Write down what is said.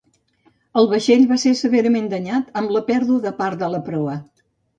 El vaixell va ser severament danyat, amb la pèrdua de part de la proa.